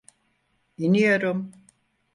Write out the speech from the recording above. İniyorum.